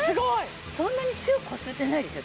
そんなに強くこすってないですよ